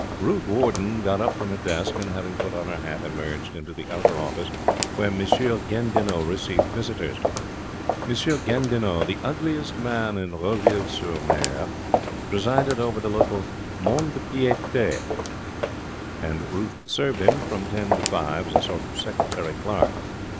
Ruth Warden got up from her desk and, having put on her hat, emerged into the outer office where M. Gandinot received visitors. M. Gandinot, the ugliest man in Roville sur Mer, presided over the local mont de piete, and Ruth served him, from ten to five, as a sort of secretary clerk.